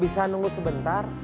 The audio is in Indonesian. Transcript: bisa nunggu sebentar